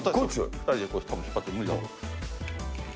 ２人で引っ張っても無理だと。